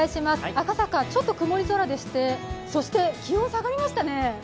赤坂、ちょっと曇り空でしてそして気温、下がりましたね。